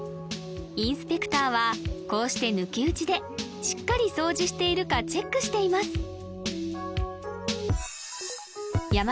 インスペクターはこうして抜き打ちでしっかり掃除しているかチェックしています